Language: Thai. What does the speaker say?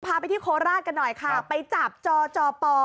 พาไปที่โคราชกันหน่อยค่ะไปจับจอจอป